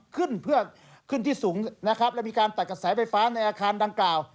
ขึ้นที่สูงและมีการตัดกระใสไฟฟ้าในอาคารดังกล่าว